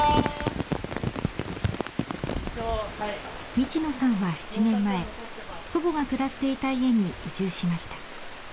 道野さんは７年前祖母が暮らしていた家に移住しました。